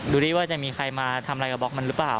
ดูดิว่าจะมีใครมาทำอะไรกับบล็อกมันหรือเปล่า